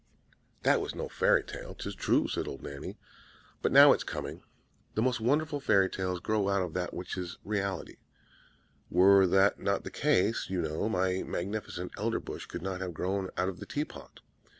"That was no fairy tale, 'tis true," said old Nanny; "but now it's coming. The most wonderful fairy tales grow out of that which is reality; were that not the case, you know, my magnificent Elderbush could not have grown out of the tea pot."